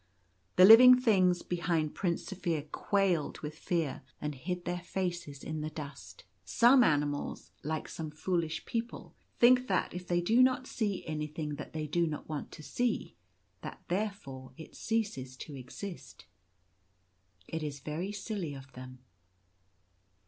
The living things behind Prince Zaphir quailed with fear, and hid their faces in the dust. Some animals, Preparing for the Battle. 35 like some foolish people, think that if they do not see anything that they do not want to see, that therefore it ceases to exist. It is very silly of them.